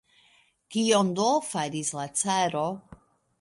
Kion do faris la caro?